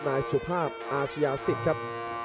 นายสุภาพอาชญาสิทธิ์ครับ